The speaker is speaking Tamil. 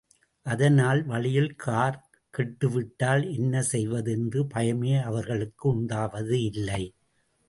அதனால் வழியில் கார் கெட்டுவிட்டால் என்ன செய்வது என்ற பயமே அவர்களுக்கு உண்டாவது இல்லை.